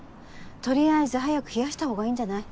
とりあえず早く冷やした方がいいんじゃない？